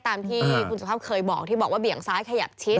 ตามที่คุณสุภาพเคยบอกที่บอกว่าเบี่ยงซ้ายขยับชิด